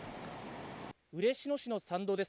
嬉野市の山道です。